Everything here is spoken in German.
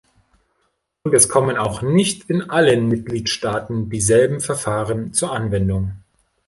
Und es kommen auch nicht in allen Mitgliedstaaten dieselben Verfahren zur Anwendung.